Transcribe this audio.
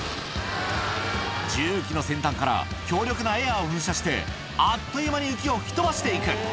重機の先端から強力なエアーを噴射して、あっという間に雪を吹き飛ばしていく。